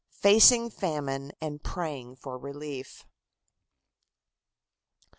Facing Famine and Praying for Relief.